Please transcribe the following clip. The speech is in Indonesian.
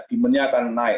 dimenya akan naik